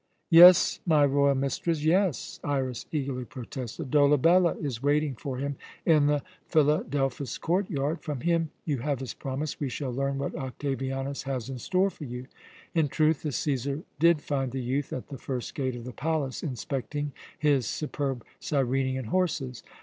"Yes, my royal mistress, yes," Iras eagerly protested. "Dolabella is waiting for him in the Philadelphus court yard. From him you have his promise we shall learn what Octavianus has in store for you." In truth, the Cæsar did find the youth at the first gate of the palace, inspecting his superb Cyrenean horses.